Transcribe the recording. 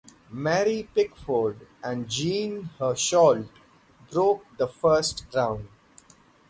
Mary Pickford and Jean Hersholt broke the first ground.